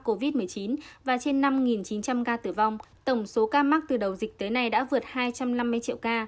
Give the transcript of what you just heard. covid một mươi chín và trên năm chín trăm linh ca tử vong tổng số ca mắc từ đầu dịch tới nay đã vượt hai trăm năm mươi triệu ca